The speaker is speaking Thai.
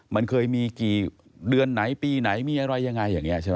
มันเคยมีกี่เดือนไหนปีไหนมีอะไรยังไงอย่างนี้ใช่ไหม